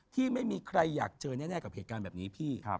ที่ไม่มีใครอยากเจอแน่กับเหตุการณ์แบบนี้พี่